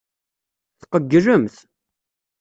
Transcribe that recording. Tqeyylemt.